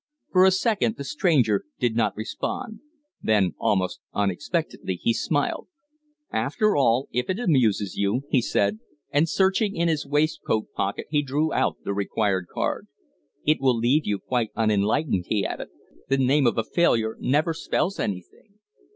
For a second the stranger did not respond. Then, almost unexpectedly, he smiled. "After all, if it amuses you " he said; and, searching in his waistcoat pocket, he drew out the required card. "It will leave you quite unenlightened," he added. "The name of a failure never spells anything."